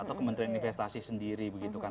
atau kementerian investasi sendiri begitu kan